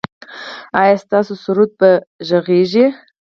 ایا ستاسو سرود به غږیږي؟